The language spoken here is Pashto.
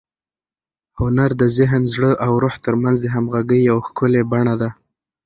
هنر د ذهن، زړه او روح تر منځ د همغږۍ یوه ښکلي بڼه ده.